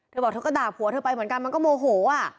เธอบอกเธอก็ด่าผัวเธอไปเหมือนกันมันก็โมโห